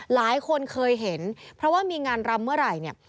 หลายคนเคยเห็นเพราะว่ามีงานรำเมื่อไหร่เนี่ย